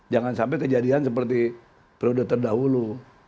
jangan sampai kejadian seperti periode terdahulu